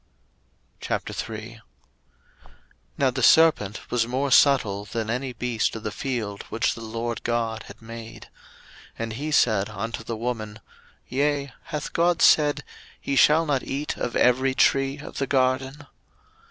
01:003:001 Now the serpent was more subtil than any beast of the field which the LORD God had made. And he said unto the woman, Yea, hath God said, Ye shall not eat of every tree of the garden?